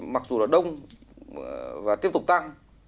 mặc dù đông và tiếp tục tăng